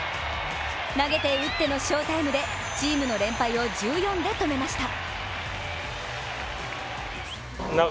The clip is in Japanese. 投げて打っての翔タイムでチームの連敗を１４で止めました。